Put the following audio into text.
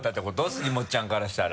杉本ちゃんからしたら。